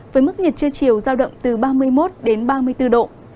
với mức nhiệt trưa chiều giao động từ ba mươi một đến ba mươi bốn độ